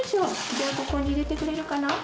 じゃあここに入れてくれるかな。